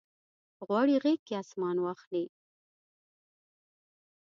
غواړي غیږ کې اسمان واخلي